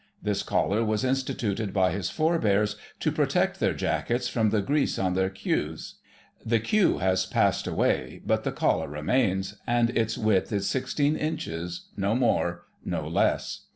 This collar was instituted by his forebears to protect their jackets from the grease on their queues. The queue has passed away, but the collar remains, and its width is 16 inches, no more, no less.